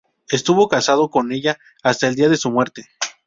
Estuvo casado con ella hasta el día de su muerte.